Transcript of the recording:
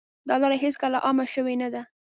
دا لاره هېڅکله عامه شوې نه ده.